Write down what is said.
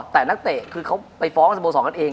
แต่นักเตะคือเขาไปฟ้องสโมสรกันเอง